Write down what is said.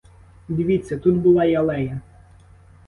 Дивіться, тут була й алея.